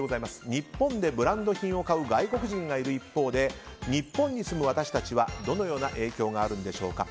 日本でブランド品を買う外国人がいる一方で日本に住む私たちは、どのような影響があるんでしょうか。